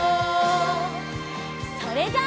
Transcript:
それじゃあ。